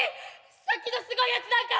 さっきのすごいやつ何か！